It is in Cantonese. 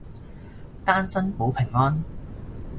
單身保平安